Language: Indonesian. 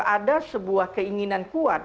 ada sebuah keinginan kuat